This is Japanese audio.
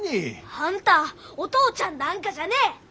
あんたぁお父ちゃんなんかじゃねえ。